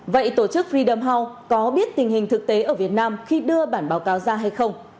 vậy tổ chức freem house có biết tình hình thực tế ở việt nam khi đưa bản báo cáo ra hay không